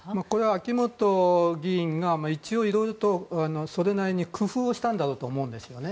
秋本議員が一応いろいろとそれなりに工夫をしたんだろうと思うんですよね。